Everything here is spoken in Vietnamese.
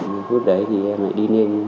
một phút đấy thì em lại đi lên